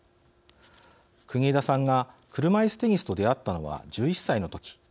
国枝さんが車いすテニスと出会ったのは１１歳の時。